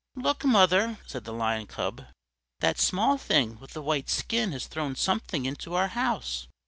"Look, mother," said the Lion Cub, "that small thing with the white skin has thrown something into our house!